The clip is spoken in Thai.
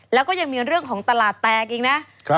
แล้วก็ยังมีเรื่องของตลาดแตกอีกนะ